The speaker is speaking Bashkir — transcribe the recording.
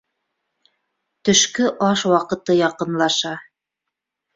Төшкө аш ваҡыты яҡынлаша.